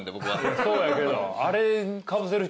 そうやけど。